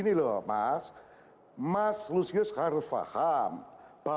ketika pak jokowi kemudian bersama sama membangun bersama sama